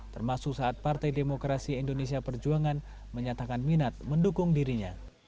termasuk saat partai demokrasi indonesia perjuangan menyatakan minat mendukung dirinya